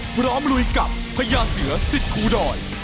พร้อมลุยกับพญาเสือสิทธิ์คูดอย